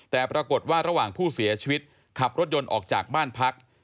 แต่ปรากฏว่าระหว่างผู้เสียชีวิตขับรถยนต์ออกจากบ้านพัก